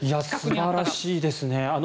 素晴らしいですね。